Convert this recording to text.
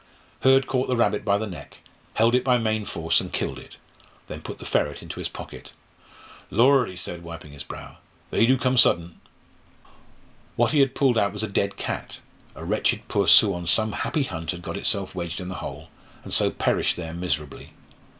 Hurd caught the rabbit by the neck, held it by main force, and killed it; then put the ferret into his pocket. "Lord!" he said, wiping his brow, "they do come suddent." What he had pulled out was a dead cat; a wretched puss, who on some happy hunt had got itself wedged in the hole, and so perished there miserably.